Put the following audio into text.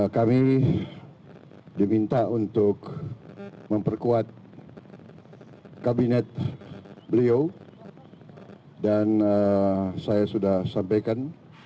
kami diminta untuk memperkuat kabinet beliau dan saya sudah sampaikan